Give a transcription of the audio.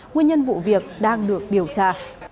nguyên nhân vụ việc đang được điều tra